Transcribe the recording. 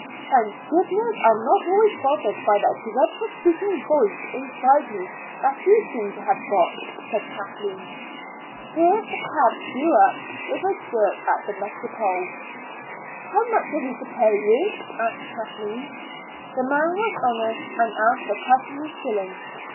"Thank goodness I'm not always bothered by that dreadful speaking voice inside me that you seem to have got," said Kathleen. Here the cab drew up with a jerk at the Métropole. "How much are we to pay you?" asked Kathleen. The man was honest, and asked the customary shilling.